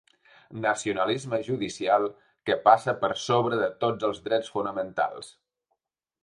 “Nacionalisme judicial que passa per sobre de tots els drets fonamentals”.